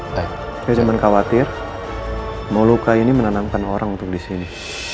saya cuma khawatir moluka ini menenangkan orang untuk disini